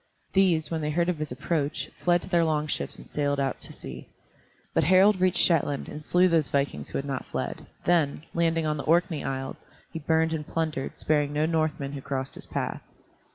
These, when they heard of his approach, fled to their long ships and sailed out to sea. But Harald reached Shetland and slew those vikings who had not fled, then, landing on the Orkney Isles, he burned and plundered, sparing no Northman who crossed his path.